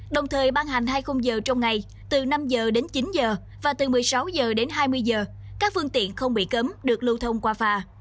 đồng thời ban hành hai mươi giờ trong ngày từ năm giờ đến chín giờ và từ một mươi sáu giờ đến hai mươi giờ các phương tiện không bị cấm được lưu thông qua phà